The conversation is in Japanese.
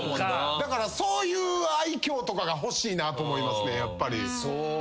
だからそういう愛嬌とかが欲しいなと思いますねやっぱり。